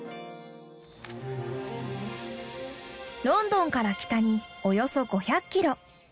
ロンドンから北におよそ５００キロ。